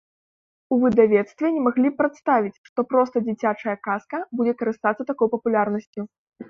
У выдавецтве не маглі прадставіць, што простая дзіцячая казка будзе карыстацца такой папулярнасцю.